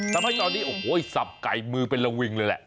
ทำให้ตอนนี้โอ้โหสับไก่มือเป็นระวิงเลยแหละ